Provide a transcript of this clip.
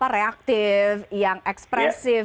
reaktif yang ekspresif